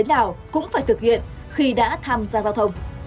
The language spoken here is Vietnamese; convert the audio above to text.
nào cũng phải thực hiện khi đã tham gia giao thông